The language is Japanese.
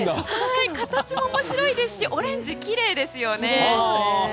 形も面白いですしオレンジがきれいですよね。